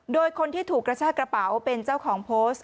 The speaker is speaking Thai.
โดยคนที่ถูกกระชากระเป๋าเป็นเจ้าของโพสต์